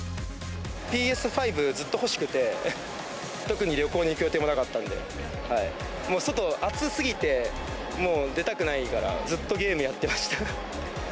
ＰＳ５、ずっと欲しくて、特に旅行に行く予定もなかったので、もう外暑すぎて、もう出たくないから、ずっとゲームやってました。